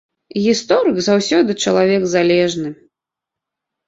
Гісторык заўсёды чалавек залежны.